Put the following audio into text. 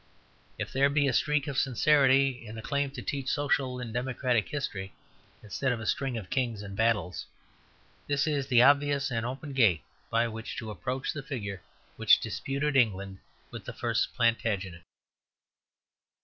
If there be a streak of sincerity in the claim to teach social and democratic history, instead of a string of kings and battles, this is the obvious and open gate by which to approach the figure which disputed England with the first Plantagenet.